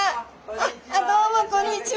あどうもこんにちは。